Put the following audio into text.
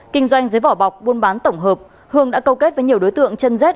kinh doanh dưới vỏ bọc buôn bán tổng hợp hương đã câu kết với nhiều đối tượng chân dết